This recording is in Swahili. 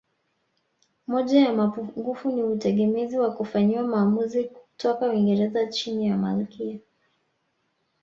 Moja ya mapungufu ni utegemezi wa kufanyiwa maamuzi toka Uingereza chini ya Malkia